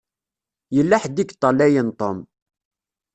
Yella ḥedd i yeṭṭalayen Tom.